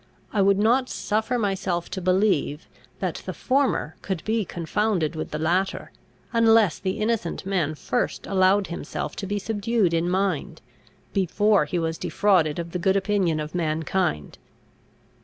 I would not suffer myself to believe, that the former could be confounded with the latter, unless the innocent man first allowed himself to be subdued in mind, before he was defrauded of the good opinion of mankind.